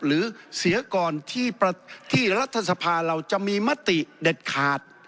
หรือเสียก่อนที่รัฐสภาเราจะมีมติเด็ดขาด